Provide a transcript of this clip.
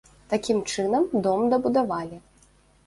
Такім чынам, дом дабудавалі.